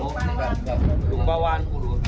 กระดูกปลาวาน